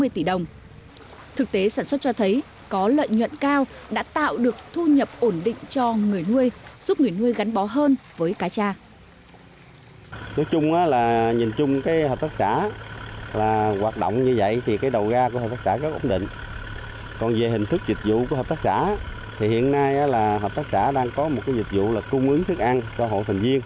tỷ đồng thực tế sản xuất cho thấy có lợi nhuận cao đã tạo được thu nhập ổn định cho người nuôi giúp người nuôi gắn bó hơn với cá cha